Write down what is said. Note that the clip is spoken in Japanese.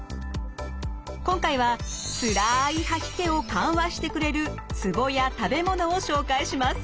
今回はつらい吐き気を緩和してくれるツボや食べ物を紹介します。